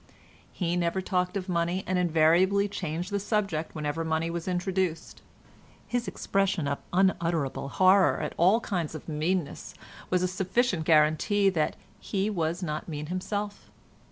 He never talked of money, and invariably changed the subject whenever money was introduced. His expression of unutterable horror at all kinds of meanness was a sufficient guarantee that he was not mean himself.